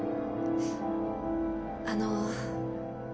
あの。